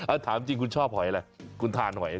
ถามจริงคุณชอบหอยอะไรคุณทานหอย